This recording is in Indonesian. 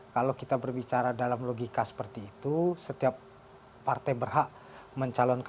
kalau kita berbicara dalam logika seperti itu setiap partai berhak mencalonkan